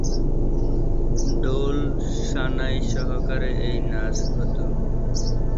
ঢোল-সানাই সহকারে এই নাচ হত।